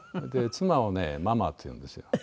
妻をね「ママ」って言うんですよ。